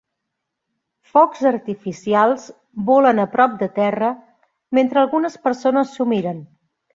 Focs artificials volen a prop de terra mentre algunes persones s'ho miren